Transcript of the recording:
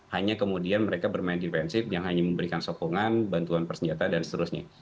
hanya kemudian mereka bermain defensif yang hanya memberikan sokongan bantuan persenjataan dan seterusnya